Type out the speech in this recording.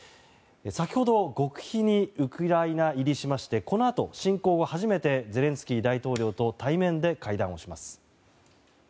先ほど極秘にウクライナ入りしましてこのあと、侵入後初めてゼレンスキー大統領と対面で会談をします。